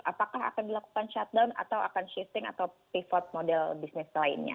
apakah akan dilakukan shutdown atau akan shifting atau pivot model bisnis lainnya